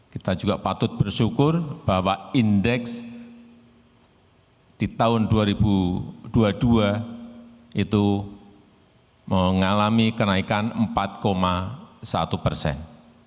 kita juga patut bersyukur bahwa indeks di tahun dua ribu dua puluh dua itu mengalami kenaikan empat satu persen